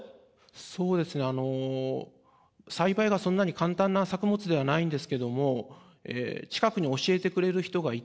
そうですねあの栽培がそんなに簡単な作物ではないんですけども近くに教えてくれる人がいて。